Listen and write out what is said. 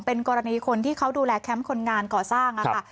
เป็นกรณีคนที่เขาดูแลแคมป์คนงานก่อสร้างค่ะ